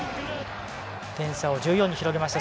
点差を１４に広げました。